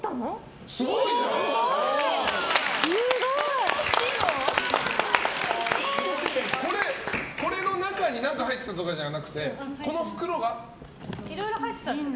すごいじゃん！これの中に何か入ってたとかじゃなくてこの袋が？